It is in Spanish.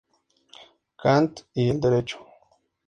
Kant y el derecho.